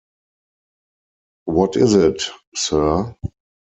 What is it, Sir?